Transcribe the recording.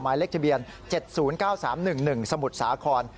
เลขทะเบียน๗๐๙๓๑๑สมุทรสาคร